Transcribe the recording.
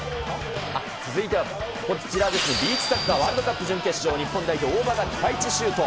続いてはこちらですね、ビーチサッカーワールドカップ準決勝、日本代表、大場がピカイチシュート。